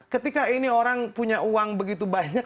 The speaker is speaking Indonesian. ketika orang ini punya uang begitu banyak